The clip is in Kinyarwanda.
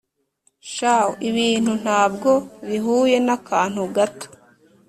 "shaw! ibintu ntabwo bihuye n'akantu gato.